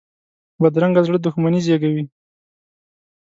بدرنګه زړه دښمني زېږوي